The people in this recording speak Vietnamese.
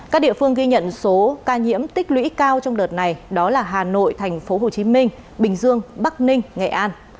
các địa phương ghi nhận số ca nhiễm tích lũy cao trong đợt này là hà nội tp hcm bình dương bắc ninh nghệ an